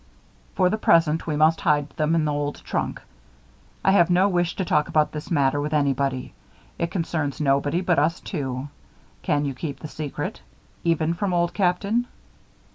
"For the present, we must hide them in the old trunk. I have no wish to talk about this matter with anybody. It concerns nobody but us two. Can you keep the secret even from Old Captain?"